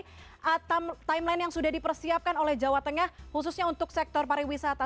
jadi timeline yang sudah dipersiapkan oleh jawa tengah khususnya untuk sektor pariwisata